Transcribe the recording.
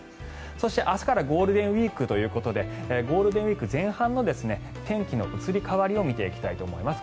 そして、明日からゴールデンウィークということでゴールデンウィーク前半の天気の移り変わりを見ていきたいと思います。